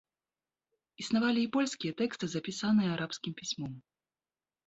Існавалі і польскія тэксты, запісаныя арабскім пісьмом.